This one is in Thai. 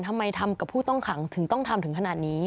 ทำไมทำกับผู้ต้องขังถึงต้องทำถึงขนาดนี้